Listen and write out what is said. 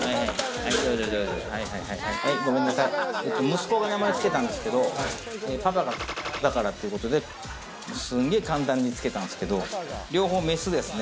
息子が名前つけたんですけど、パパがだからっていうことで、すんげぇ簡単につけたんですけど、両方メスですね。